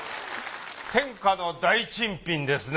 天下の大珍品ですね。